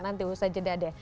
nanti usah jeda deh